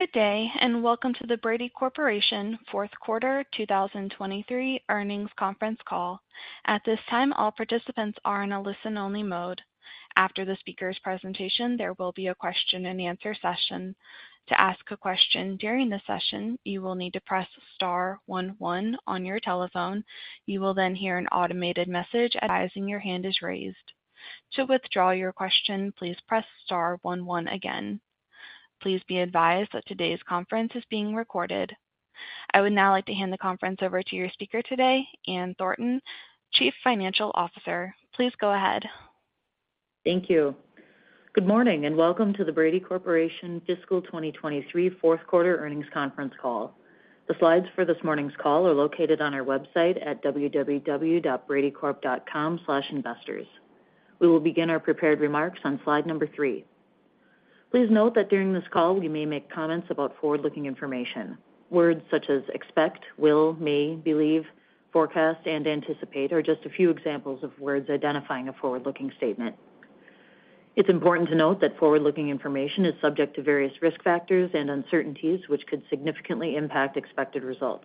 Good day, and welcome to the Brady Corporation Fourth Quarter 2023 Earnings Conference Call. At this time, all participants are in a listen-only mode. After the speaker's presentation, there will be a question-and-answer session. To ask a question during the session, you will need to press star one one on your telephone. You will then hear an automated message advising your hand is raised. To withdraw your question, please press star one one again. Please be advised that today's conference is being recorded. I would now like to hand the conference over to your speaker today, Ann Thornton, Chief Financial Officer. Please go ahead. Thank you. Good morning, and welcome to the Brady Corporation Fiscal 2023 Fourth Quarter Earnings Conference Call. The slides for this morning's call are located on our website at www.bradycorp.com/investors. We will begin our prepared remarks on slide number three. Please note that during this call, we may make comments about forward-looking information. Words such as expect, will, may, believe, forecast, and anticipate are just a few examples of words identifying a forward-looking statement. It's important to note that forward-looking information is subject to various risk factors and uncertainties, which could significantly impact expected results.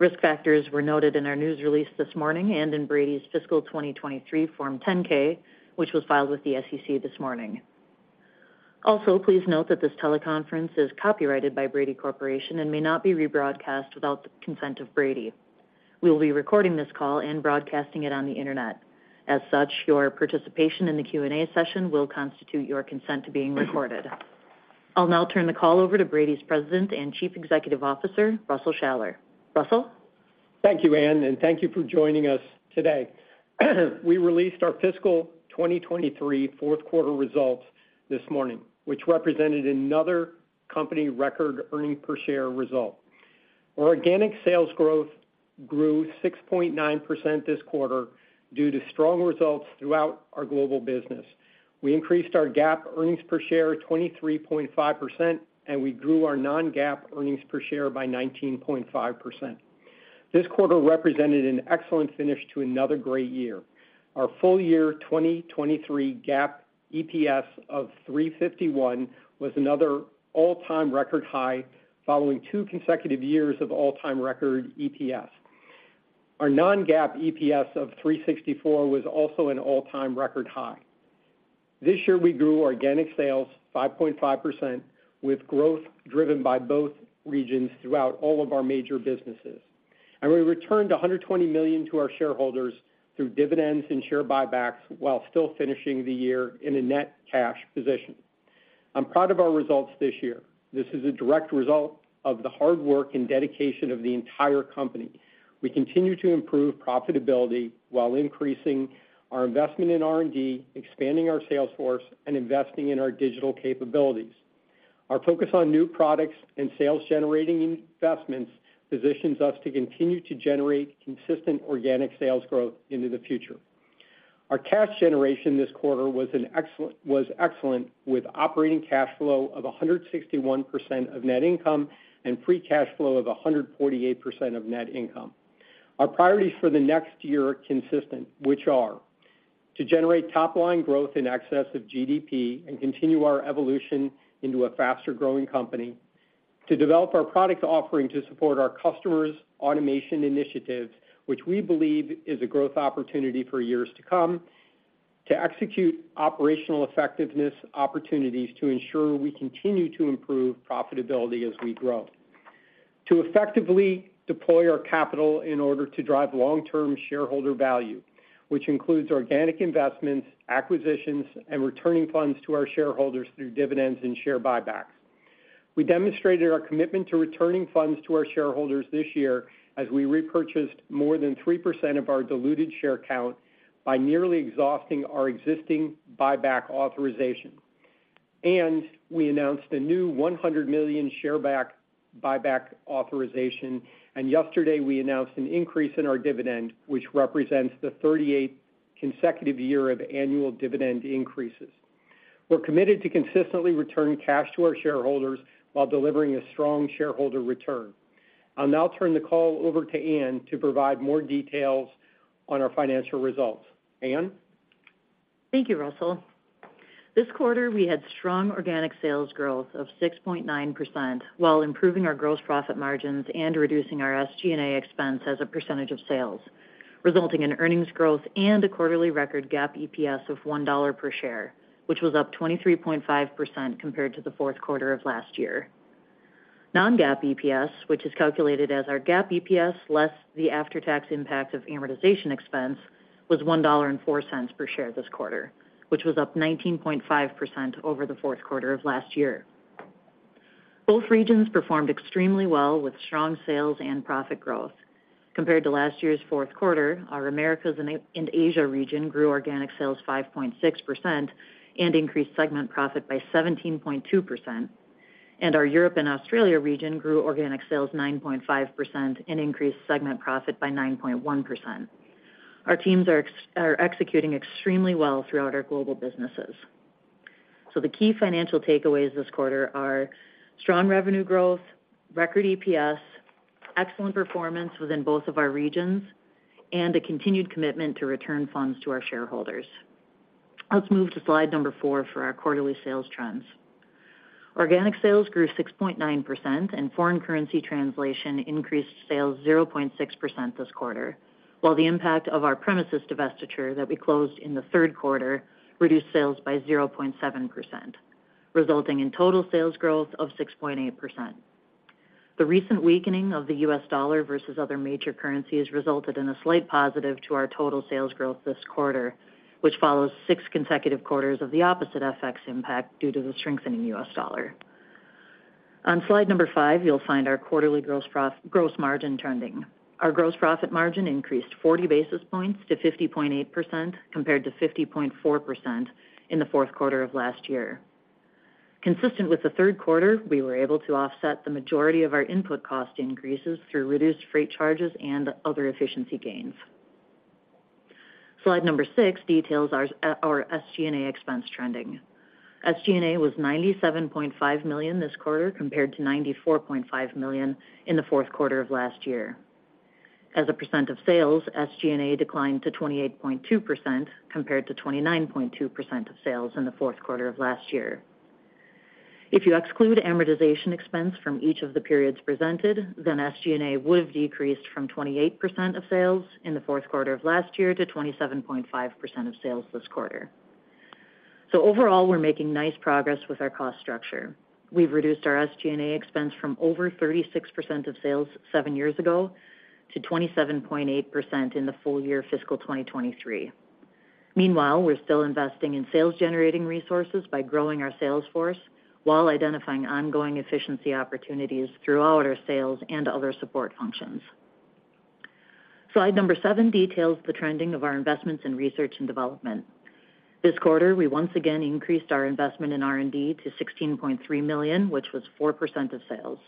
Risk factors were noted in our news release this morning and in Brady's fiscal 2023 Form 10-K, which was filed with the SEC this morning. Also, please note that this teleconference is copyrighted by Brady Corporation and may not be rebroadcast without the consent of Brady. We will be recording this call and broadcasting it on the Internet. As such, your participation in the Q&A session will constitute your consent to being recorded. I'll now turn the call over to Brady's President and Chief Executive Officer, Russell Shaller. Russell? Thank you, Ann, and thank you for joining us today. We released our fiscal 2023 fourth quarter results this morning, which represented another company record earnings per share result. Our organic sales growth grew 6.9% this quarter due to strong results throughout our global business. We increased our GAAP earnings per share 23.5%, and we grew our non-GAAP earnings per share by 19.5%. This quarter represented an excellent finish to another great year. Our full year 2023 GAAP EPS of $3.51 was another all-time record high, following two consecutive years of all-time record EPS. Our non-GAAP EPS of $3.64 was also an all-time record high. This year, we grew organic sales 5.5%, with growth driven by both regions throughout all of our major businesses, and we returned $120 million to our shareholders through dividends and share buybacks while still finishing the year in a net cash position. I'm proud of our results this year. This is a direct result of the hard work and dedication of the entire company. We continue to improve profitability while increasing our investment in R&D, expanding our sales force, and investing in our digital capabilities. Our focus on new products and sales-generating investments positions us to continue to generate consistent organic sales growth into the future. Our cash generation this quarter was excellent, with operating cash flow of 161% of net income and free cash flow of 148% of net income. Our priorities for the next year are consistent, which are: to generate top-line growth in excess of GDP and continue our evolution into a faster-growing company, to develop our product offering to support our customers' automation initiatives, which we believe is a growth opportunity for years to come, to execute operational effectiveness opportunities to ensure we continue to improve profitability as we grow, to effectively deploy our capital in order to drive long-term shareholder value, which includes organic investments, acquisitions, and returning funds to our shareholders through dividends and share buybacks. We demonstrated our commitment to returning funds to our shareholders this year as we repurchased more than 3% of our diluted share count by nearly exhausting our existing buyback authorization. We announced a new $100 million share buyback authorization, and yesterday, we announced an increase in our dividend, which represents the 38th consecutive year of annual dividend increases. We're committed to consistently return cash to our shareholders while delivering a strong shareholder return. I'll now turn the call over to Ann to provide more details on our financial results. Ann? Thank you, Russell. This quarter, we had strong organic sales growth of 6.9% while improving our gross profit margins and reducing our SG&A expense as a percentage of sales, resulting in earnings growth and a quarterly record GAAP EPS of $1 per share, which was up 23.5% compared to the fourth quarter of last year. Non-GAAP EPS, which is calculated as our GAAP EPS less the after-tax impact of amortization expense, was $1.04 per share this quarter, which was up 19.5% over the fourth quarter of last year. Both regions performed extremely well, with strong sales and profit growth. Compared to last year's fourth quarter, our Americas and Asia region grew organic sales 5.6% and increased segment profit by 17.2%, and our Europe and Australia region grew organic sales 9.5% and increased segment profit by 9.1%. Our teams are executing extremely well throughout our global businesses. So the key financial takeaways this quarter are strong revenue growth, record EPS, excellent performance within both of our regions, and a continued commitment to return funds to our shareholders.... Let's move to slide number four for our quarterly sales trends. Organic sales grew 6.9%, and foreign currency translation increased sales 0.6% this quarter, while the impact of our premises divestiture that we closed in the third quarter reduced sales by 0.7%, resulting in total sales growth of 6.8%. The recent weakening of the U.S. dollar versus other major currencies resulted in a slight positive to our total sales growth this quarter, which follows 6 consecutive quarters of the opposite FX impact due to the strengthening U.S. dollar. On slide number five, you'll find our quarterly gross margin trending. Our gross profit margin increased 40 basis points to 50.8%, compared to 50.4% in the fourth quarter of last year. Consistent with the third quarter, we were able to offset the majority of our input cost increases through reduced freight charges and other efficiency gains. Slide six details our SG&A expense trending. SG&A was $97.5 million this quarter, compared to $94.5 million in the fourth quarter of last year. As a percent of sales, SG&A declined to 28.2%, compared to 29.2% of sales in the fourth quarter of last year. If you exclude amortization expense from each of the periods presented, then SG&A would have decreased from 28% of sales in the fourth quarter of last year to 27.5% of sales this quarter. So overall, we're making nice progress with our cost structure. We've reduced our SG&A expense from over 36% of sales seven years ago to 27.8% in the full year fiscal 2023. Meanwhile, we're still investing in sales-generating resources by growing our sales force while identifying ongoing efficiency opportunities throughout our sales and other support functions. Slide number seven details the trending of our investments in research and development. This quarter, we once again increased our investment in R&D to $16.3 million, which was 4% of sales.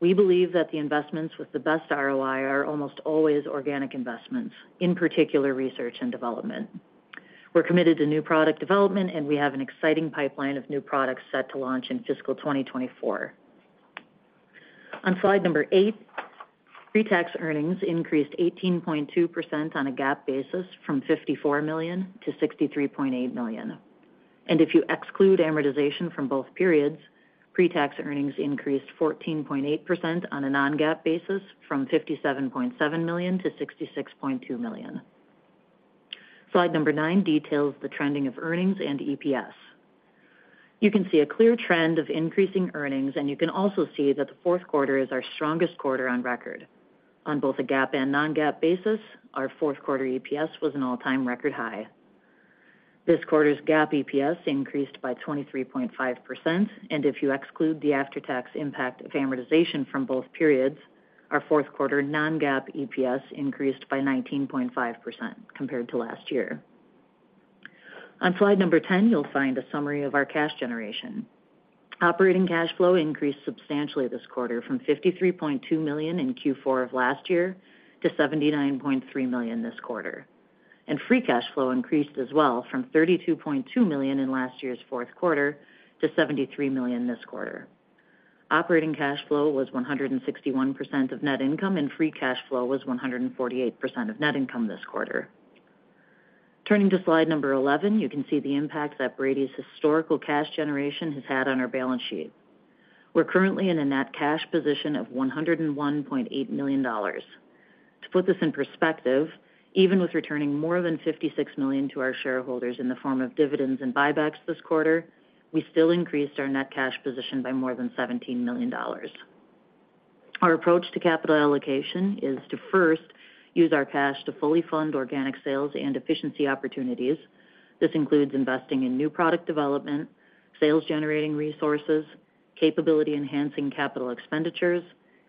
We believe that the investments with the best ROI are almost always organic investments, in particular, research and development. We're committed to new product development, and we have an exciting pipeline of new products set to launch in fiscal 2024. On slide number eight, pretax earnings increased 18.2% on a GAAP basis from $54 million to $63.8 million. If you exclude amortization from both periods, pretax earnings increased 14.8% on a non-GAAP basis from $57.7 million to $66.2 million. Slide nine details the trending of earnings and EPS. You can see a clear trend of increasing earnings, and you can also see that the fourth quarter is our strongest quarter on record. On both a GAAP and non-GAAP basis, our fourth quarter EPS was an all-time record high. This quarter's GAAP EPS increased by 23.5%, and if you exclude the after-tax impact of amortization from both periods, our fourth quarter non-GAAP EPS increased by 19.5% compared to last year. On slide ten, you'll find a summary of our cash generation. Operating cash flow increased substantially this quarter from $53.2 million in Q4 of last year to $79.3 million this quarter. Free cash flow increased as well from $32.2 million in last year's fourth quarter to $73 million this quarter. Operating cash flow was 161% of net income, and free cash flow was 148% of net income this quarter. Turning to slide eleven, you can see the impact that Brady's historical cash generation has had on our balance sheet. We're currently in a net cash position of $101.8 million. To put this in perspective, even with returning more than $56 million to our shareholders in the form of dividends and buybacks this quarter, we still increased our net cash position by more than $17 million. Our approach to capital allocation is to first use our cash to fully fund organic sales and efficiency opportunities. This includes investing in new product development, sales-generating resources, capability-enhancing capital expenditures,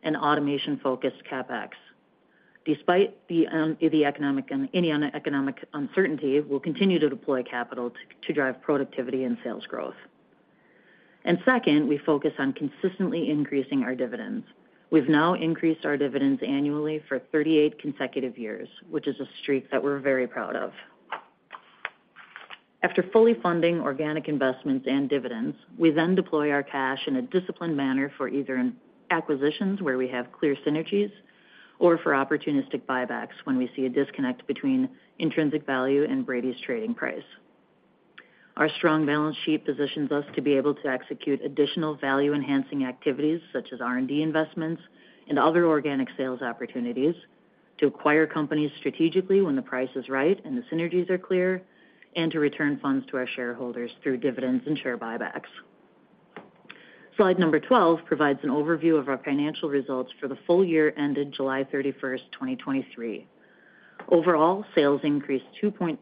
and automation-focused CapEx. Despite the economic and any economic uncertainty, we'll continue to deploy capital to drive productivity and sales growth. And second, we focus on consistently increasing our dividends. We've now increased our dividends annually for 38 consecutive years, which is a streak that we're very proud of. After fully funding organic investments and dividends, we then deploy our cash in a disciplined manner for either acquisitions where we have clear synergies, or for opportunistic buybacks when we see a disconnect between intrinsic value and Brady's trading price. Our strong balance sheet positions us to be able to execute additional value-enhancing activities such as R&D investments and other organic sales opportunities, to acquire companies strategically when the price is right and the synergies are clear, and to return funds to our shareholders through dividends and share buybacks. Slide number twelve provides an overview of our financial results for the full year ended July 31, 2023. Overall, sales increased 2.3%,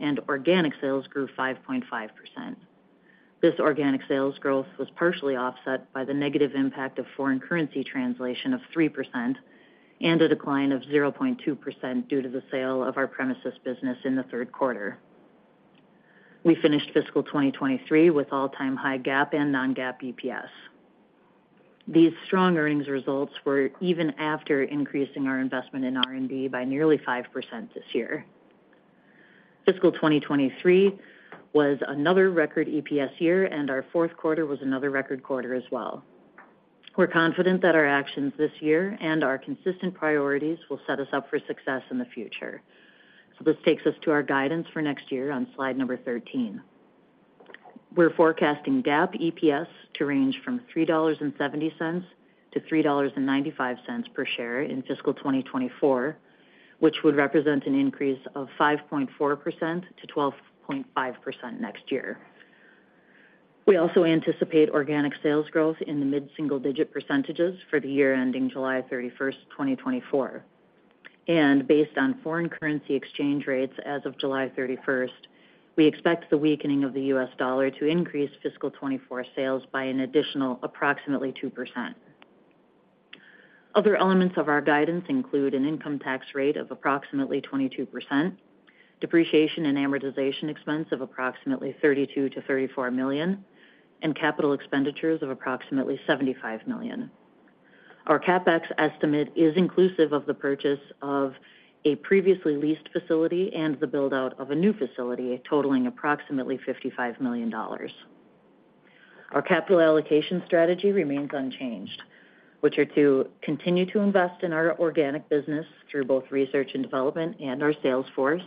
and organic sales grew 5.5%. This organic sales growth was partially offset by the negative impact of foreign currency translation of 3% and a decline of 0.2% due to the sale of our premises business in the third quarter. We finished fiscal 2023 with all-time high GAAP and non-GAAP EPS. These strong earnings results were even after increasing our investment in R&D by nearly 5% this year. Fiscal 2023 was another record EPS year, and our fourth quarter was another record quarter as well. We're confident that our actions this year and our consistent priorities will set us up for success in the future. So this takes us to our guidance for next year on slide thirteen. We're forecasting GAAP EPS to range from $3.70-$3.95 per share in fiscal 2024, which would represent an increase of 5.4%-12.5% next year. We also anticipate organic sales growth in the mid-single-digit % for the year ending July 31, 2024, and based on foreign currency exchange rates as of July 31, we expect the weakening of the U.S. dollar to increase fiscal 2024 sales by an additional approximately 2%. Other elements of our guidance include an income tax rate of approximately 22%, depreciation and amortization expense of approximately $32 million-$34 million, and capital expenditures of approximately $75 million. Our CapEx estimate is inclusive of the purchase of a previously leased facility and the build-out of a new facility, totaling approximately $55 million. Our capital allocation strategy remains unchanged, which are to continue to invest in our organic business through both research and development and our sales force.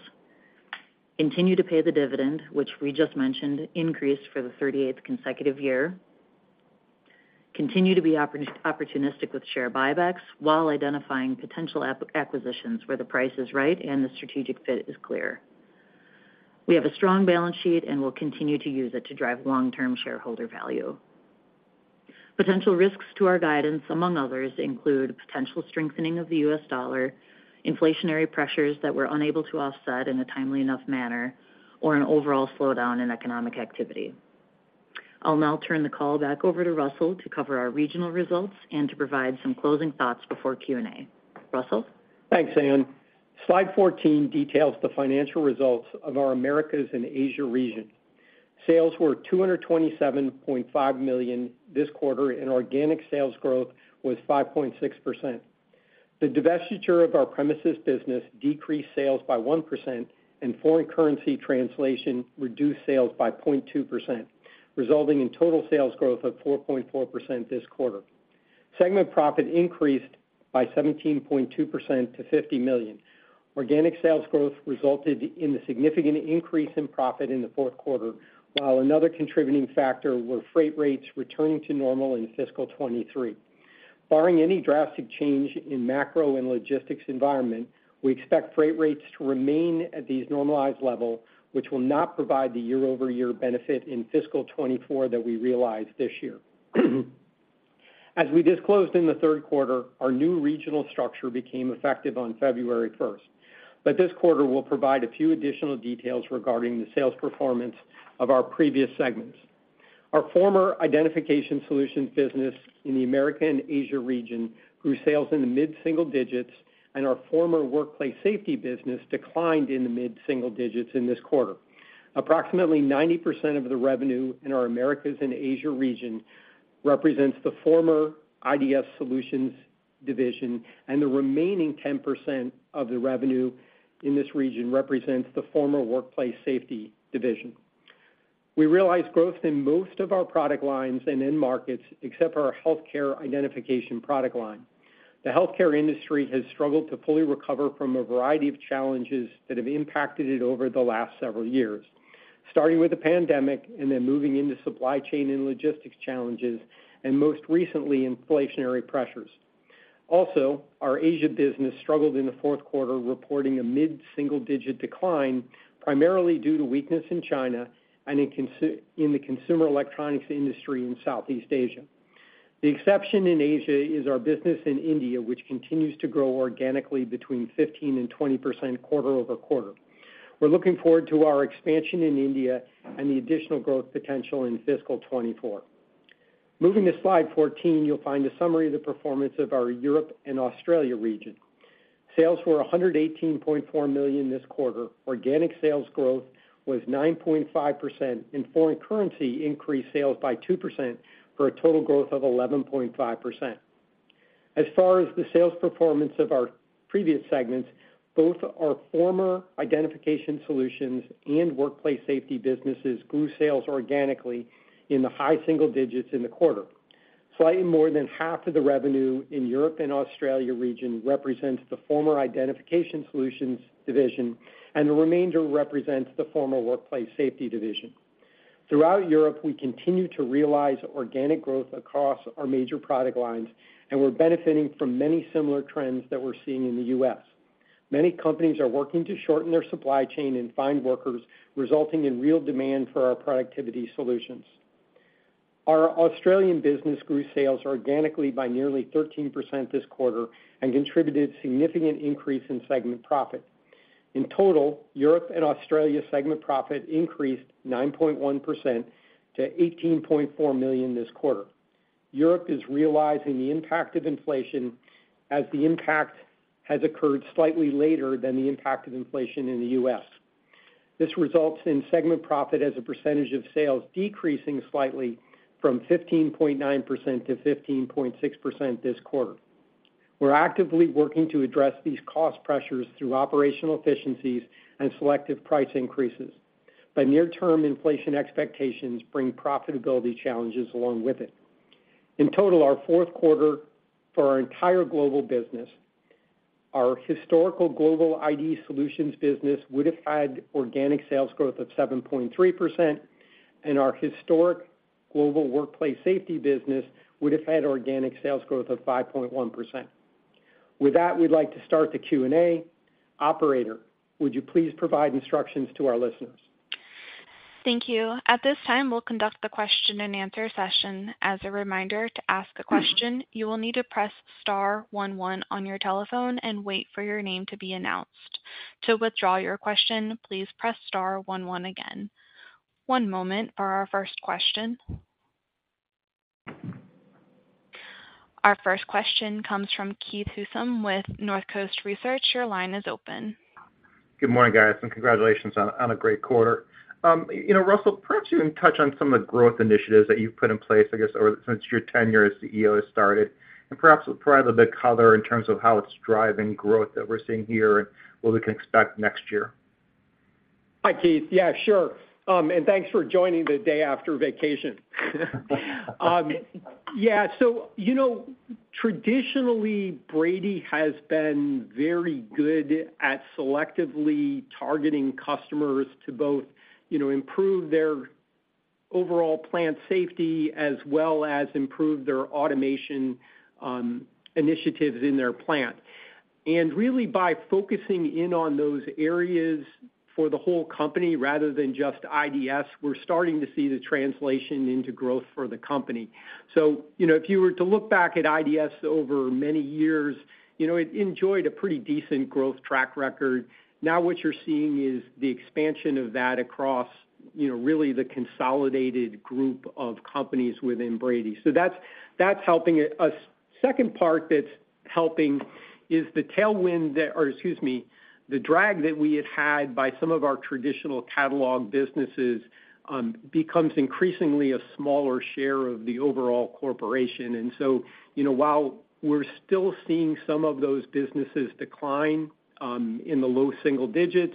Continue to pay the dividend, which we just mentioned, increased for the 38th consecutive year. Continue to be opportunistic with share buybacks while identifying potential acquisitions where the price is right and the strategic fit is clear. We have a strong balance sheet, and we'll continue to use it to drive long-term shareholder value. Potential risks to our guidance, among others, include potential strengthening of the US dollar, inflationary pressures that we're unable to offset in a timely enough manner, or an overall slowdown in economic activity. I'll now turn the call back over to Russell to cover our regional results and to provide some closing thoughts before Q&A. Russell? Thanks, Ann. Slide fourteen details the financial results of our Americas and Asia region. Sales were $227.5 million this quarter, and organic sales growth was 5.6%. The divestiture of our premises business decreased sales by 1%, and foreign currency translation reduced sales by 0.2%, resulting in total sales growth of 4.4% this quarter. Segment profit increased by 17.2% to $50 million. Organic sales growth resulted in the significant increase in profit in the fourth quarter, while another contributing factor were freight rates returning to normal in fiscal 2023. Barring any drastic change in macro and logistics environment, we expect freight rates to remain at these normalized level, which will not provide the year-over-year benefit in fiscal 2024 that we realized this year. As we disclosed in the third quarter, our new regional structure became effective on February first, but this quarter will provide a few additional details regarding the sales performance of our previous segments. Our former Identification Solutions business in the Americas and Asia region grew sales in the mid-single digits, and our former Workplace Safety business declined in the mid-single digits in this quarter. Approximately 90% of the revenue in our Americas and Asia region represents the former IDS Solutions division, and the remaining 10% of the revenue in this region represents the former Workplace Safety division. We realized growth in most of our product lines and end markets, except for our healthcare identification product line. The healthcare industry has struggled to fully recover from a variety of challenges that have impacted it over the last several years, starting with the pandemic and then moving into supply chain and logistics challenges, and most recently, inflationary pressures. Also, our Asia business struggled in the fourth quarter, reporting a mid-single-digit decline, primarily due to weakness in China and in the consumer electronics industry in Southeast Asia. The exception in Asia is our business in India, which continues to grow organically between 15%-20% quarter over quarter. We're looking forward to our expansion in India and the additional growth potential in fiscal 2024. Moving to slide fourteen, you'll find a summary of the performance of our Europe and Australia region. Sales were $118.4 million this quarter. Organic sales growth was 9.5%, and foreign currency increased sales by 2%, for a total growth of 11.5%. As far as the sales performance of our previous segments, both our former Identification Solutions and Workplace Safety businesses grew sales organically in the high single digits in the quarter. Slightly more than half of the revenue in Europe and Australia region represents the former Identification Solutions division, and the remainder represents the former Workplace Safety division. Throughout Europe, we continue to realize organic growth across our major product lines, and we're benefiting from many similar trends that we're seeing in the U.S. Many companies are working to shorten their supply chain and find workers, resulting in real demand for our productivity solutions. Our Australian business grew sales organically by nearly 13% this quarter and contributed significant increase in segment profit. In total, Europe and Australia segment profit increased 9.1% to $18.4 million this quarter. Europe is realizing the impact of inflation as the impact has occurred slightly later than the impact of inflation in the U.S. This results in segment profit as a percentage of sales decreasing slightly from 15.9% to 15.6% this quarter. We're actively working to address these cost pressures through operational efficiencies and selective price increases. But near-term inflation expectations bring profitability challenges along with it. In total, our fourth quarter for our entire global business, our historical global ID Solutions business would have had organic sales growth of 7.3%, and our historic global Workplace safety business would have had organic sales growth of 5.1%. With that, we'd like to start the Q&A. Operator, would you please provide instructions to our listeners? Thank you. At this time, we'll conduct the question-and-answer session. As a reminder, to ask a question, you will need to press star one, one on your telephone and wait for your name to be announced. To withdraw your question, please press star one, one again. One moment for our first question. Our first question comes from Keith Housum with Northcoast Research. Your line is open. Good morning, guys, and congratulations on a great quarter. You know, Russell, perhaps you can touch on some of the growth initiatives that you've put in place, I guess, over since your tenure as CEO has started, and perhaps provide a bit color in terms of how it's driving growth that we're seeing here and what we can expect next year. Hi, Keith. Yeah, sure. And thanks for joining the day after vacation. Yeah, so you know, traditionally, Brady has been very good at selectively targeting customers to both, you know, improve their overall plant safety as well as improve their automation initiatives in their plant. And really, by focusing in on those areas for the whole company rather than just IDS, we're starting to see the translation into growth for the company. So you know, if you were to look back at IDS over many years, you know, it enjoyed a pretty decent growth track record. Now, what you're seeing is the expansion of that across, you know, really the consolidated group of companies within Brady. So that's, that's helping it. A second part that's helping is the tailwind that, or excuse me, the drag that we had had by some of our traditional catalog businesses, becomes increasingly a smaller share of the overall corporation. And so, you know, while we're still seeing some of those businesses decline, in the low single digits,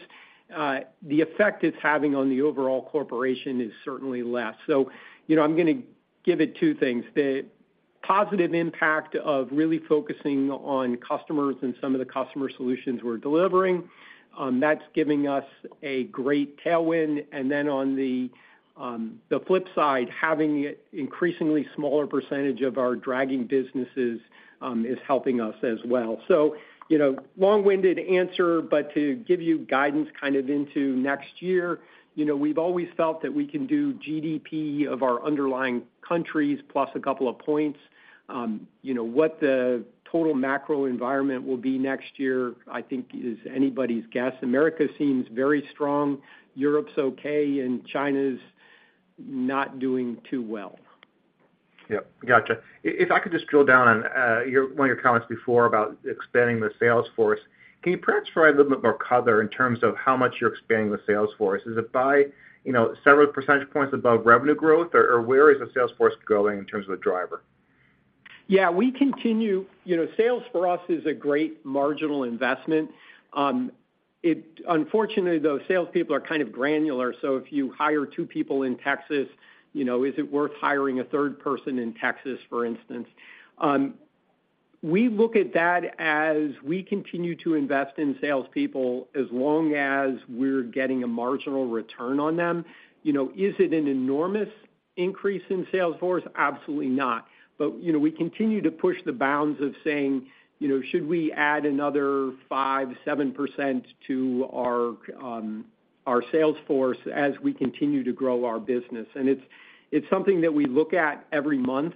the effect it's having on the overall corporation is certainly less. So, you know, I'm gonna give it two things. The positive impact of really focusing on customers and some of the customer solutions we're delivering, that's giving us a great tailwind. And then on the, the flip side, having it increasingly smaller percentage of our dragging businesses, is helping us as well. So, you know, long-winded answer, but to give you guidance kind of into next year, you know, we've always felt that we can do GDP of our underlying countries, plus a couple of points. You know, what the total macro environment will be next year, I think, is anybody's guess. America seems very strong, Europe's okay, and China's not doing too well. Yep, gotcha. If I could just drill down on your one of your comments before about expanding the sales force. Can you perhaps provide a little bit more color in terms of how much you're expanding the sales force? Is it by, you know, several percentage points above revenue growth, or, or where is the sales force going in terms of the driver? Yeah, we continue. You know, sales for us is a great marginal investment. Unfortunately, though, salespeople are kind of granular, so if you hire 2 people in Texas, you know, is it worth hiring a third person in Texas, for instance? We look at that as we continue to invest in salespeople, as long as we're getting a marginal return on them. You know, is it an enormous increase in sales force? Absolutely not. But, you know, we continue to push the bounds of saying, you know, "Should we add another 5%-7% to our sales force as we continue to grow our business?" And it's something that we look at every month,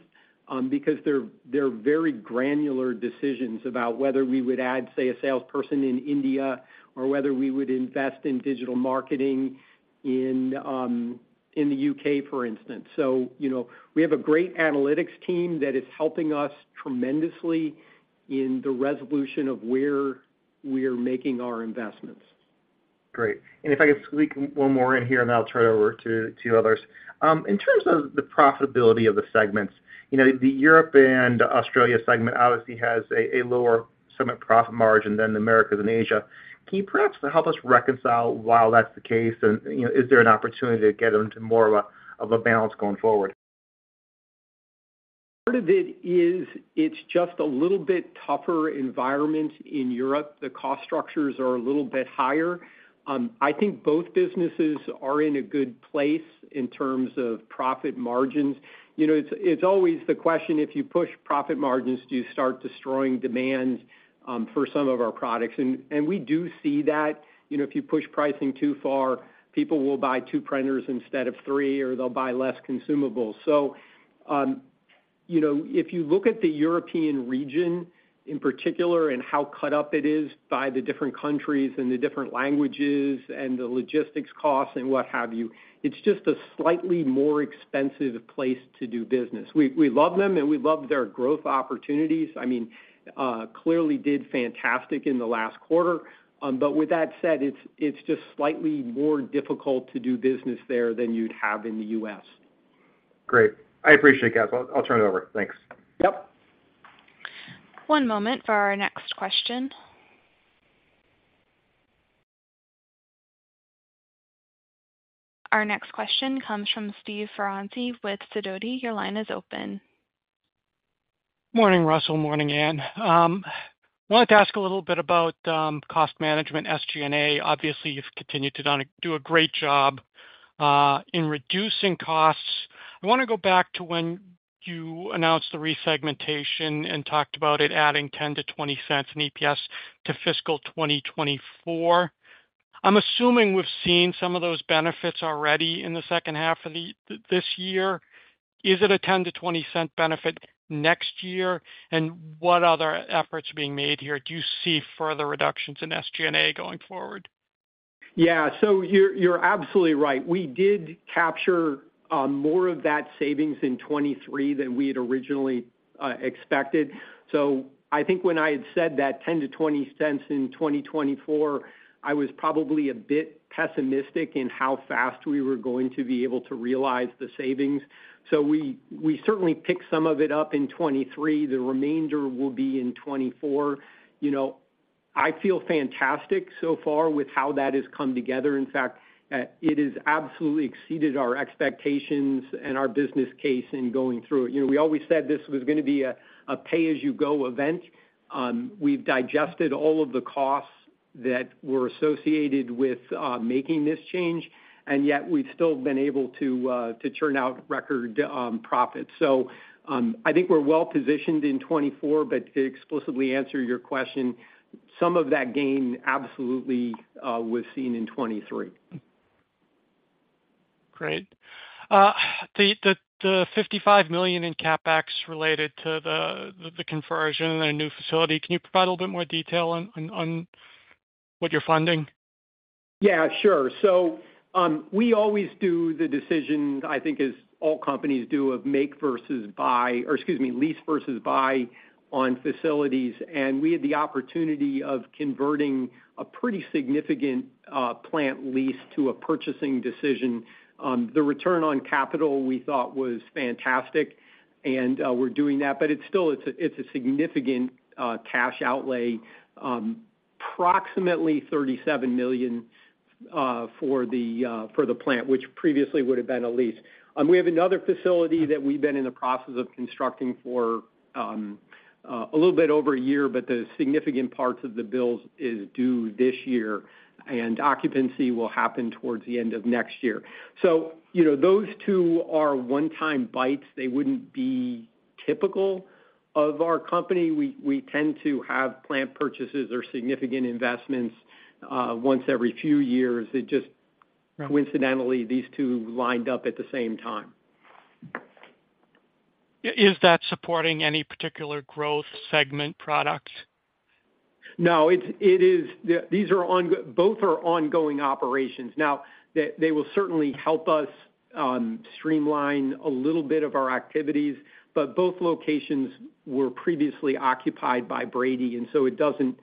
because they're very granular decisions about whether we would add, say, a salesperson in India or whether we would invest in digital marketing in the UK, for instance. So you know, we have a great analytics team that is helping us tremendously in the resolution of where we are making our investments. Great. If I could squeak one more in here, and then I'll turn it over to others. In terms of the profitability of the segments, you know, the Europe and Australia segment obviously has a lower segment profit margin than the Americas and Asia. Can you perhaps help us reconcile why that's the case? You know, is there an opportunity to get into more of a balance going forward? Part of it is, it's just a little bit tougher environment in Europe. The cost structures are a little bit higher. I think both businesses are in a good place in terms of profit margins. You know, it's always the question, if you push profit margins, do you start destroying demand for some of our products? And we do see that. You know, if you push pricing too far, people will buy two printers instead of three, or they'll buy less consumables. So, you know, if you look at the European region, in particular, and how cut up it is by the different countries and the different languages and the logistics costs and what have you, it's just a slightly more expensive place to do business. We love them, and we love their growth opportunities. I mean, clearly did fantastic in the last quarter. But with that said, it's just slightly more difficult to do business there than you'd have in the U.S.... Great. I appreciate it, Russ. I'll turn it over. Thanks. One moment for our next question. Our next question comes from Steve Ferazani with Sidoti. Your line is open. Morning, Russell. Morning, Ann. Wanted to ask a little bit about cost management, SG&A. Obviously, you've continued to do a great job in reducing costs. I wanna go back to when you announced the resegmentation and talked about it adding $0.10-$0.20 in EPS to fiscal 2024. I'm assuming we've seen some of those benefits already in the second half of this year. Is it a $0.10-$0.20 benefit next year? And what other efforts are being made here? Do you see further reductions in SG&A going forward? Yeah. So you're absolutely right. We did capture more of that savings in 2023 than we had originally expected. So I think when I had said that $0.10-$0.20 in 2024, I was probably a bit pessimistic in how fast we were going to be able to realize the savings. So we certainly picked some of it up in 2023. The remainder will be in 2024. You know, I feel fantastic so far with how that has come together. In fact, it has absolutely exceeded our expectations and our business case in going through it. You know, we always said this was gonna be a pay-as-you-go event. We've digested all of the costs that were associated with making this change, and yet we've still been able to to churn out record profits. I think we're well-positioned in 2024, but to explicitly answer your question, some of that gain absolutely was seen in 2023. Great. The $55 million in CapEx related to the conversion and new facility, can you provide a little bit more detail on what you're funding? Yeah, sure. So, we always do the decision, I think as all companies do, of make versus buy. Or excuse me, lease versus buy on facilities, and we had the opportunity of converting a pretty significant plant lease to a purchasing decision. The return on capital, we thought was fantastic, and we're doing that, but it's still, it's a, it's a significant cash outlay. Approximately $37 million for the plant, which previously would have been a lease. We have another facility that we've been in the process of constructing for a little bit over a year, but the significant parts of the bills is due this year, and occupancy will happen towards the end of next year. So, you know, those two are one-time bites. They wouldn't be typical of our company. We, we tend to have plant purchases or significant investments, once every few years. It just coincidentally, these two lined up at the same time. Is that supporting any particular growth segment products? No, these are both ongoing operations. Now, they will certainly help us streamline a little bit of our activities, but both locations were previously occupied by Brady, and so it doesn't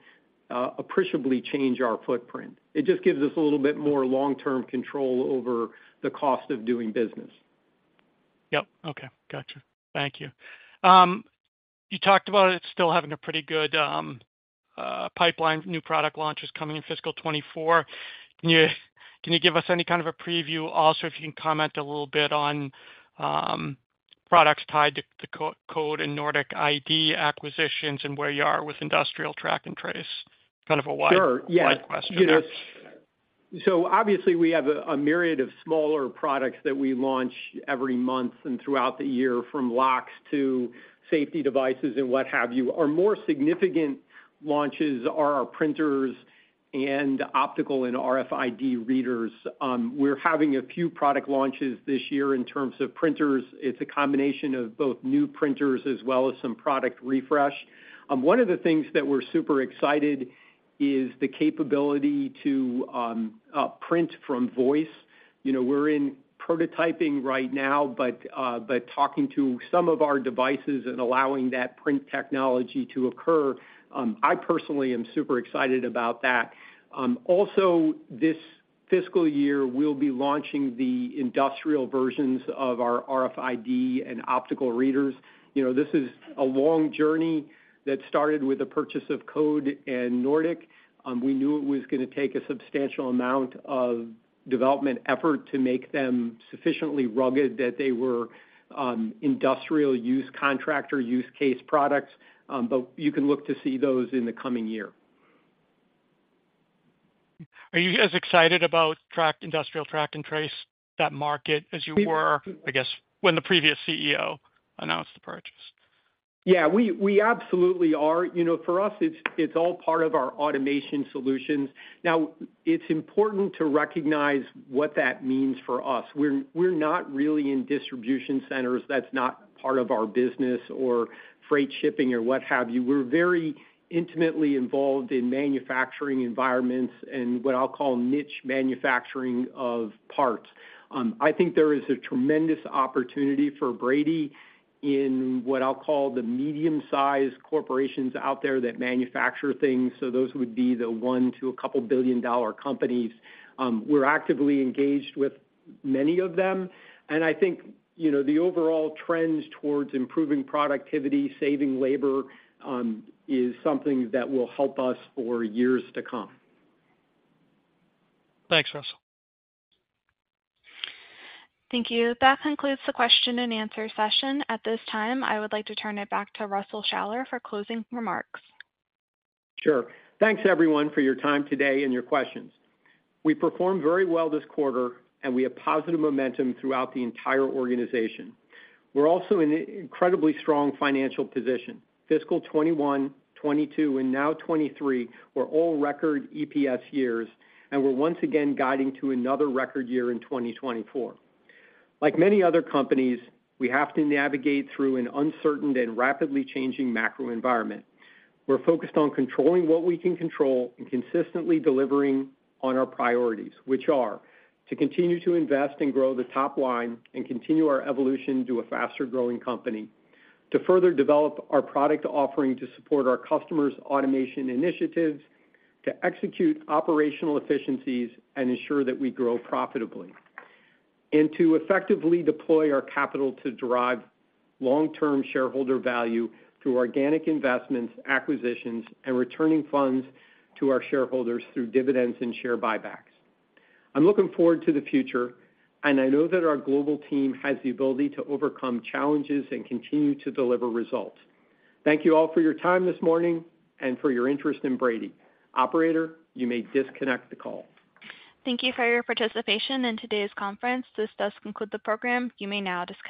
appreciably change our footprint. It just gives us a little bit more long-term control over the cost of doing business. Yep. Okay. Gotcha. Thank you. You talked about it still having a pretty good pipeline, new product launches coming in fiscal 2024. Can you, can you give us any kind of a preview? Also, if you can comment a little bit on products tied to the Code and Nordic ID acquisitions and where you are with industrial track and trace? Kind of a wide question there. Sure. You know, so obviously, we have a myriad of smaller products that we launch every month and throughout the year, from locks to safety devices and what have you. Our more significant launches are our printers and optical and RFID readers. We're having a few product launches this year in terms of printers. It's a combination of both new printers as well as some product refresh. One of the things that we're super excited is the capability to print from voice. You know, we're in prototyping right now, but by talking to some of our devices and allowing that print technology to occur, I personally am super excited about that. Also, this fiscal year, we'll be launching the industrial versions of our RFID and optical readers. You know, this is a long journey that started with the purchase of Code and Nordic. We knew it was gonna take a substantial amount of development effort to make them sufficiently rugged, that they were industrial use, contractor use case products, but you can look to see those in the coming year. Are you guys excited about track, industrial track and trace, that market, as you were, I guess, when the previous CEO announced the purchase? Yeah, we absolutely are. You know, for us, it's all part of our automation solutions. Now, it's important to recognize what that means for us. We're not really in distribution centers. That's not part of our business or freight shipping or what have you. We're very intimately involved in manufacturing environments and what I'll call niche manufacturing of parts. I think there is a tremendous opportunity for Brady in what I'll call the medium-sized corporations out there that manufacture things. So those would be the one to a couple billion-dollar companies. We're actively engaged with many of them, and I think, you know, the overall trends towards improving productivity, saving labor, is something that will help us for years to come. Thanks, Russell. Thank you. That concludes the question and answer session. At this time, I would like to turn it back to Russell Shaller for closing remarks. Sure. Thanks, everyone, for your time today and your questions. We performed very well this quarter, and we have positive momentum throughout the entire organization. We're also in an incredibly strong financial position. Fiscal 2021, 2022, and now 2023 were all record EPS years, and we're once again guiding to another record year in 2024. Like many other companies, we have to navigate through an uncertain and rapidly changing macro environment. We're focused on controlling what we can control and consistently delivering on our priorities, which are: to continue to invest and grow the top line and continue our evolution to a faster-growing company, to further develop our product offering to support our customers' automation initiatives, to execute operational efficiencies and ensure that we grow profitably, and to effectively deploy our capital to drive long-term shareholder value through organic investments, acquisitions, and returning funds to our shareholders through dividends and share buybacks. I'm looking forward to the future, and I know that our global team has the ability to overcome challenges and continue to deliver results. Thank you all for your time this morning, and for your interest in Brady. Operator, you may disconnect the call. Thank you for your participation in today's conference. This does conclude the program. You may now disconnect.